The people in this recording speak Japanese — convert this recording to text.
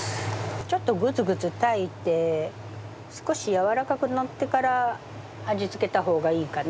ちょっとグツグツ炊いて少しやわらかくなってから味付けた方がいいかな。